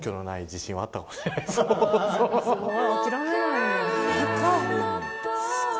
すごーい。